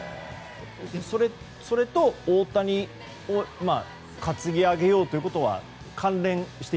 それと大谷を担ぎ上げようということははい。